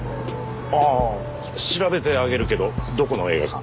ああ調べてあげるけどどこの映画館？